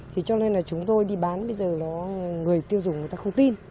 thì cho nên là chúng tôi đi bán bây giờ là người tiêu dùng người ta không tin